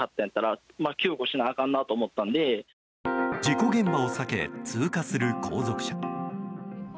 事故現場を避け通過する後続車。